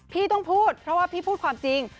พี่ต้องพูดเพราะว่าพี่พูดความจริง